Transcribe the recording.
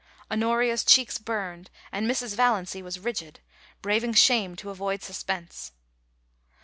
Honoria's cheeks burned, and Mrs. Valiancy was rigid, braving shame to avoid suspense.